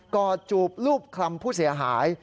อดจูบรูปคลำผู้เสียหาย